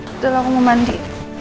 udah aku mau mandi